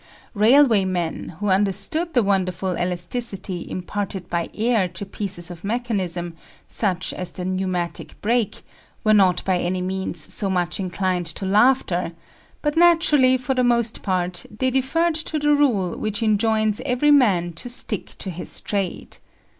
Railway men, who understood the wonderful elasticity imparted by air to pieces of mechanism, such as the pneumatic brake, were not by any means so much inclined to laughter; but naturally, for the most part, they deferred to the rule which enjoins every man to stick to his trade.